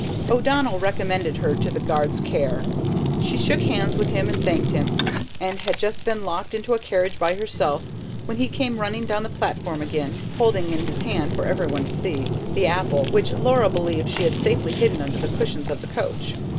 O'Donnell recommended her to the guard's care; she shook hands with him and thanked him, and had just been locked into a carriage by herself when he came running down the platform again, holding in his hand, for everyone to see, the apple, which Laura believed she had safely hidden under the cushions of the coach.